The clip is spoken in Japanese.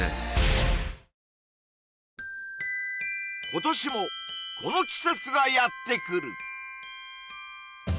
今年もこの季節がやってくる